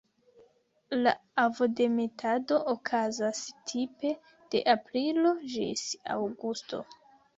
La ovodemetado okazas tipe de aprilo ĝis aŭgusto.